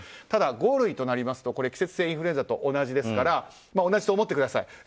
ただ、五類となりますと季節性インフルエンザと同じと思ってください。